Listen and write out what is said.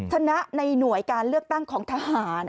ชนะในหน่วยการเลือกตั้งของทหาร